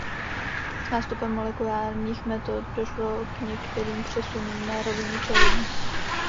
S nástupem molekulárních metod došlo k některým přesunům na rovině čeledí.